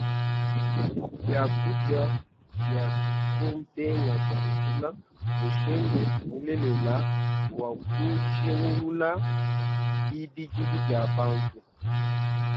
Biakudia bia kumpenga kua njila mmushindu mulelela wa kujingulula bibidilu bia bantu.